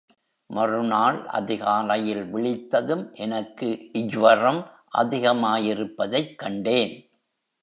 மறுநாள் அதிகாலையில் விழித்ததும், எனக்கு ஜ்வரம் அதிகமாயிருப்பதைக் கண்டேன்.